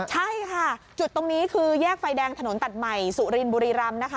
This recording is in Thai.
ใช่ค่ะจุดตรงนี้คือแยกไฟแดงถนนตัดใหม่สุรินบุรีรำนะคะ